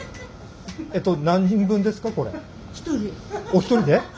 お一人で？